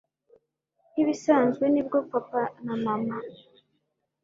nkibisanzwe nibwo papa na mama